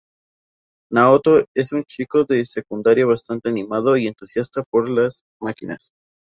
Naoto es un chico de secundaria bastante animado y entusiasta por las máquinas.